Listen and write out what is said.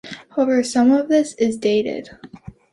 However some of this is dated.